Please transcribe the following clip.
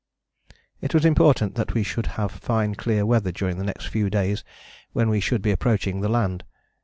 ] It was important that we should have fine clear weather during the next few days when we should be approaching the land.